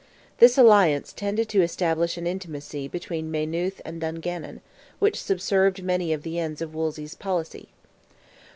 This alliance tended to establish an intimacy between Maynooth and Dungannon, which subserved many of the ends of Wolsey's policy.